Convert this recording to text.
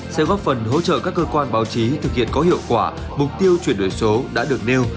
sẽ góp phần hỗ trợ các cơ quan báo chí thực hiện có hiệu quả mục tiêu chuyển đổi số đã được nêu